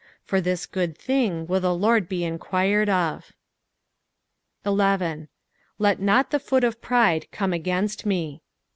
For this good thing will the Lord be enquired of. Jl. " Let not tht foot of pride come /igainst me."